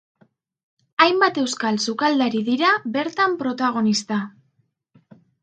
Hainbat euskal sukaldari dira bertan protagonista.